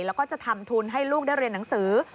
แล้วก็จะทำทุนให้ลูกได้เรียนหนังสือ